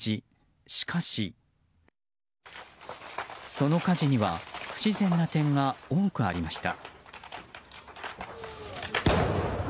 その火事には不自然な点が多くありました。